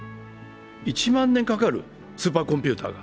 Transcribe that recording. １万年かかるスーパーコンピューターが。